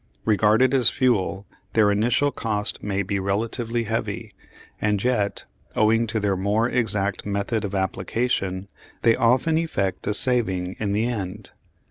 Regarded as fuel their initial cost may be relatively heavy; and yet, owing to their more exact method of application, they often effect a saving in the end.